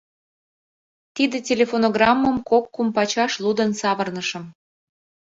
Тиде телефонограммым кок-кум пачаш лудын савырнышым.